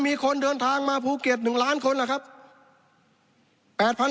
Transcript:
มีคนเดินทางมาภูเก็ต๑ล้านคนนะครับ